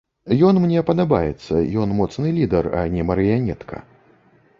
Ён мне падабаецца, ён моцны лідэр, а не марыянетка.